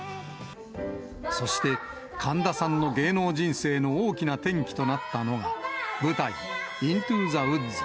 そして、神田さんの芸能人生の大きな転機となったのが、舞台、イントゥ・ザ・ウッズ。